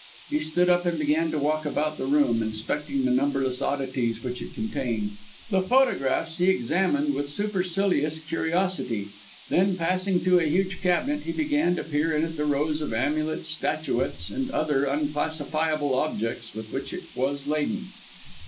He stood up and began to walk about the room, inspecting the numberless oddities which it contained. The photographs he examined with supercilious curiosity. Then, passing to a huge cabinet, he began to peer in at the rows of amulets, statuettes and other, unclassifiable, objects with which it was laden.